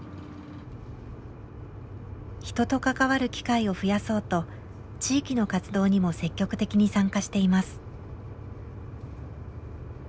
人と関わる機会を増やそうと地域の活動にも積極的に参加しています。